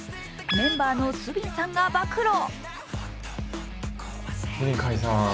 メンバーのスビンさんが暴露。